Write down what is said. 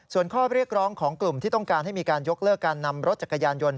ส่วนข้อเรียกร้องของกลุ่มที่ต้องการให้มีการยกเลิกการนำรถจักรยานยนต์